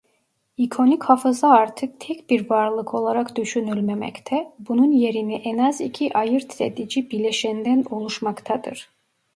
İkonik hafıza artık tek bir varlık olarak düşünülmemekte bunun yerine en az iki ayırt edici bileşenden oluşmaktadır.